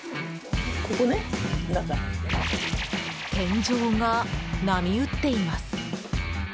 天井が、波打っています。